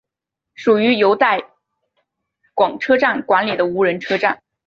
属于由带广车站管理的无人车站。